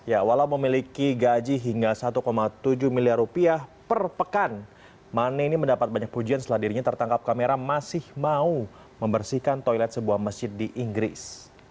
ya walau memiliki gaji hingga satu tujuh miliar rupiah per pekan mane ini mendapat banyak pujian setelah dirinya tertangkap kamera masih mau membersihkan toilet sebuah masjid di inggris